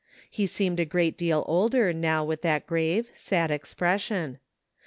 He seemed a great deal older, now, with that grave, sad expression.